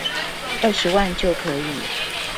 二十萬元就可以